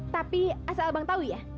tapi asal abang tahu ya